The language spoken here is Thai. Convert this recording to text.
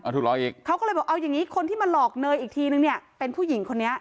นี่เขาว่ายังไงเดี๋ยวลองดูค่ะ